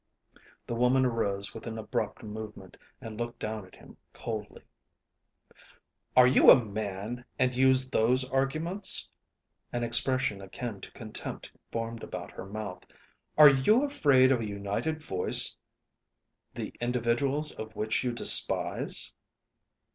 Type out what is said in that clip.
The woman arose with an abrupt movement, and looked down at him coldly. "Are you a man, and use those arguments?" An expression akin to contempt formed about her mouth. "Are you afraid of a united voice the individuals of which you despise?"